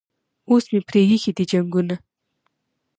اوس مې پریښي دي جنګونه